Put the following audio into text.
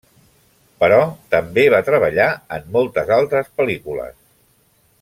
Però també va treballar en moltes altres pel·lícules.